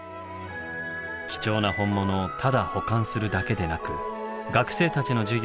貴重な本物をただ保管するだけでなく学生たちの授業で活用する。